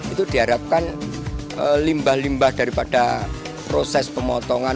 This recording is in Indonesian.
itu diharapkan limbah limbah daripada proses pemotongan